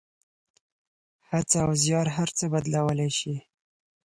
هڅه او زیار هر څه بدلولی شي.